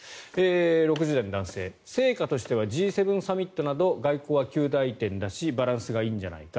６０代の男性成果としてはＧ７サミットなど外交は及第点だしバランスがいいんじゃないか。